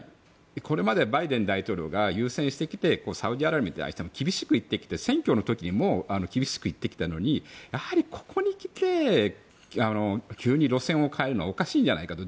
これまでバイデン大統領が優先してきてサウジアラビアに対しても厳しく言ってきて選挙の時にも厳しく言ってきたのにここにきて急に路線を変えるのはおかしいじゃないかと。